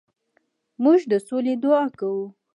موږ د سولې دعا کوو.